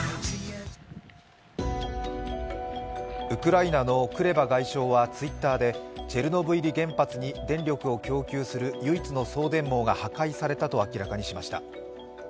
ウクライナのクレバ外相はＴｗｉｔｔｅｒでチェルノブイリ原発に電力を供給する唯一の送電網が破壊されたと明らかにしました。